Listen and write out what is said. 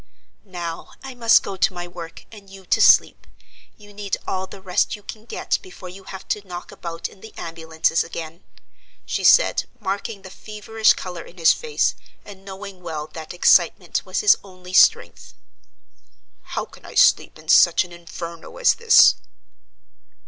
"Now I must go to my work, and you to sleep: you need all the rest you can get before you have to knock about in the ambulances again," she said, marking the feverish color in his face, and knowing well that excitement was his only strength. "How can I sleep in such an Inferno as this?"